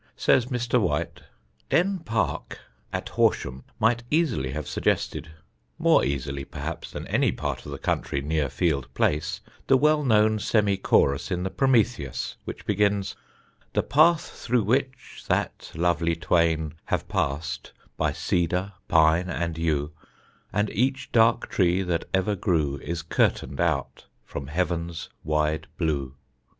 Says Mr. White, "Denne Park [at Horsham] might easily have suggested more easily perhaps than any part of the country near Field Place the well known semi chorus in the Prometheus which begins 'The path through which that lovely twain Have passed, by cedar, pine, and yew, And each dark tree that ever grew Is curtained out from heaven's wide blue.'